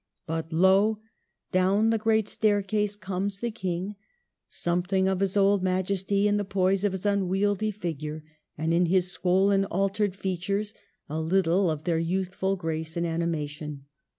But lo ! down the great staircase comes the King, something of his old majesty in the poise of his unwieldy figure, and in his swollen, altered features a little of their youthful grace and animation.